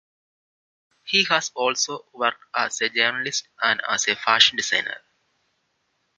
He has also worked as a journalist and as a fashion designer.